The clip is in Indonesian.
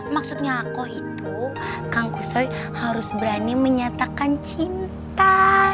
maksudnya aku itu kang kusoy harus berani menyatakan cinta